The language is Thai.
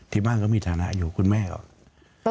ที่บ้านเขามีสถานะอยู่คุณแม่ก็